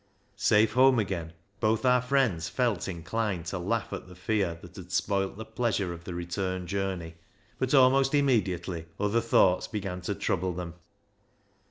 " Safe home again, both our friends felt inclined to laugh at the fear that had spoilt the pleasure of the return journey, but almost immediately other thoughts began to trouble them.